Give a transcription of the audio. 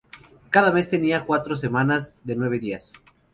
Cada mes tenía cuatro semanas de nueve días.